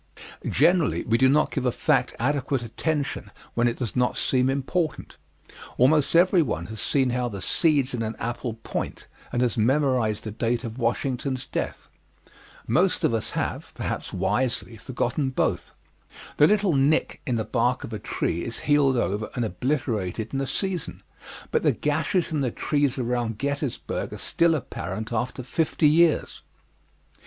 Generally we do not give a fact adequate attention when it does not seem important. Almost everyone has seen how the seeds in an apple point, and has memorized the date of Washington's death. Most of us have perhaps wisely forgotten both. The little nick in the bark of a tree is healed over and obliterated in a season, but the gashes in the trees around Gettysburg are still apparent after fifty years.